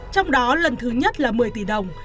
trong đó lần thứ nhất là một mươi tỷ đồng